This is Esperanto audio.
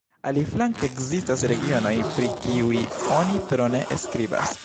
Aliflanke ekzistas regionoj, pri kiuj oni tro ne skribas.